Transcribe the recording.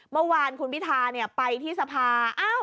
เมื่อวานคุณพิธาไปที่สภา